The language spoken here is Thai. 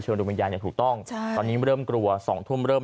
ดูวิญญาณอย่างถูกต้องใช่ตอนนี้เริ่มกลัวสองทุ่มเริ่ม